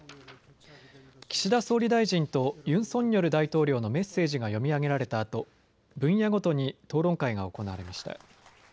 岸田総理大臣とユン・ソンニョル大統領のメッセージが読み上げられたあと分野ごとに討論会が行われました。